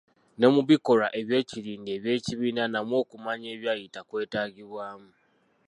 Ne mu bikolwa eby'ekirindi eby'ekibiina, namwo okumanya ebyayita kwetaagibwamu.